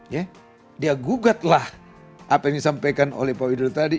ya dia gugatlah apa yang disampaikan oleh pak widodo tadi